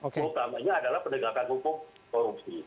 terutamanya adalah penegakan hukum korupsi